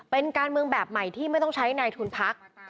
เป็นการเมืองแบบใหม่ที่ไม่ต้องใช้ในทุนพัก